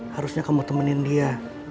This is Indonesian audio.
harusnya kamu temenin dia